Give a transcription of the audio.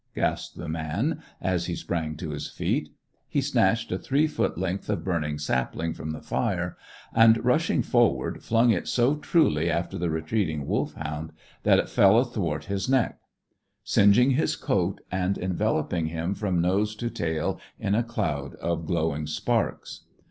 gasped the man, as he sprang to his feet. He snatched a three foot length of burning sapling from the fire and, rushing forward, flung it so truly after the retreating Wolfhound that it fell athwart his neck, singeing his coat and enveloping him from nose to tail in a cloud of glowing sparks.